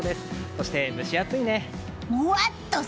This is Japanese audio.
そして、蒸し暑いね。